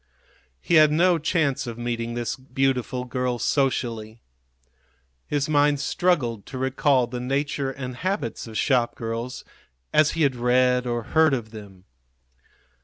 He had no chance of meeting this beautiful girl socially. His mind struggled to recall the nature and habits of shopgirls as he had read or heard of them.